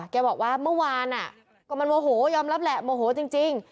แกบอกว่าเมื่อวานก็มันโมโหยอมรับแหละโมโหจริง